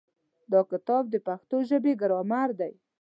دا کتاب د پښتو ژبې ګرامر دی.